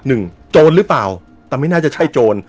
โจรหรือเปล่าแต่ไม่น่าจะใช่โจร